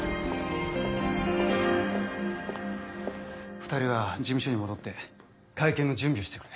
２人は事務所に戻って会見の準備をしてくれ。